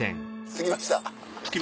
着きました。